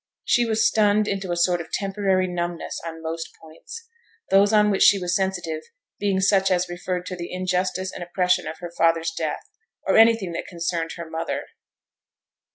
She was stunned into a sort of temporary numbness on most points; those on which she was sensitive being such as referred to the injustice and oppression of her father's death, or anything that concerned her mother.